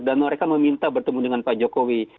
dan mereka meminta bertemu dengan pak jokowi